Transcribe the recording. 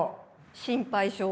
心配性。